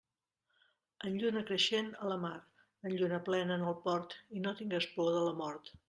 En lluna creixent a la mar, en lluna plena en el port i no tingues por de la mort.